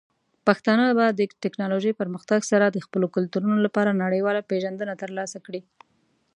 پښتانه به د ټیکنالوجۍ پرمختګ سره د خپلو کلتورونو لپاره نړیواله پیژندنه ترلاسه کړي.